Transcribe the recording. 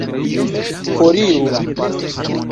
foriru